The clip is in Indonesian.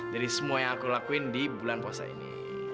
dari semua yang aku lakuin di bulan puasa ini